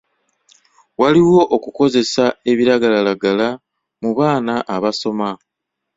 Waliwo okukozesa ebiragalalagala mu baana abasoma.